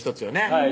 はい